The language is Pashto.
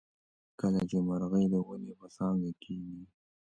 کله چې مرغۍ د ونې په څانګه کیني.